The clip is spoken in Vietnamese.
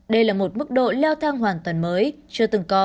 đây là một mức độ leo thang hoàn toàn mới chưa từng có